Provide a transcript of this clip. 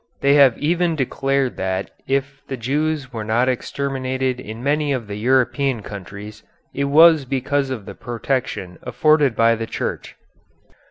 They have even declared that if the Jews were not exterminated in many of the European countries it was because of the protection afforded by the Church.